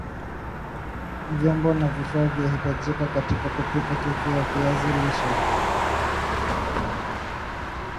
Vyombo na vifaa vinavyahitajika katika kupika keki ya viazi lishe